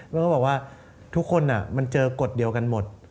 แล้วก็บอกว่าทุกคนมันเจอกฎเดียวกันหมด